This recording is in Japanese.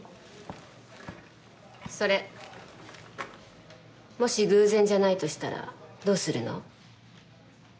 それもし偶然じゃないとしたらどうするの？